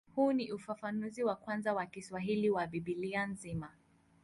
Huu ni ufafanuzi wa kwanza wa Kiswahili wa Biblia nzima.